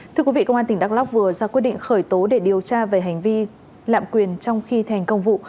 thưa quý vị công an tỉnh đắk lóc vừa ra quyết định khởi tố để điều tra về hành vi lạm quyền trong khi thành công vụ